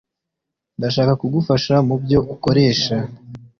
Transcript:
Ndashaka kugufasha mubyo ukoresha